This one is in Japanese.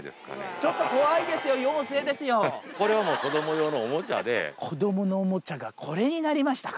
ちょっと怖いですよ、世も末これはもう、子ども用のおも子どものおもちゃがこれになりましたか。